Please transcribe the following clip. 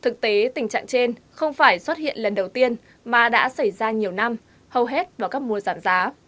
thực tế tình trạng trên không phải xuất hiện lần đầu tiên mà đã xảy ra nhiều năm hầu hết vào các mùa giảm giá